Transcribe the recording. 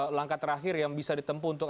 langkah terakhir yang bisa ditempu untuk